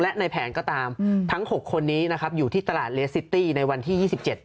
และในแผนก็ตามทั้ง๖คนอยู่ที่ตลาดเลสซิตี้ในวันที่๒๗